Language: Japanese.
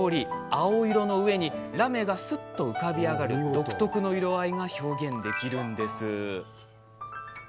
青色の上にラメが浮かび上がる独特の色合いが表現できるんです。